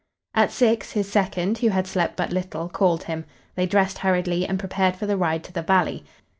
At six his second, who had slept but little, called him. They dressed hurriedly and prepared for the ride to the valley.